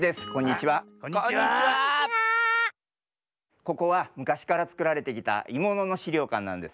ここはむかしからつくられてきたいもののしりょうかんなんです。